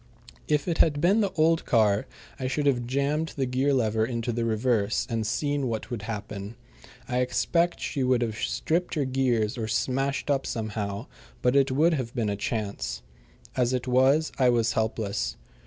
If it had been the old car I should have jammed the gear lever into the reverse, and seen what would happen. I expect she would have stripped her gears or smashed up somehow, but it would have been a chance. As it was, I was helpless.